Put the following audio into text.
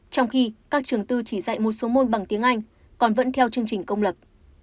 trong khi các trường tư chỉ dạy một số môn bằng tiếng anh còn vẫn theo chương trình công lập